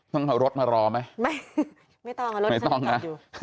ต้องเอารถมารอไหมไม่ต้องนะ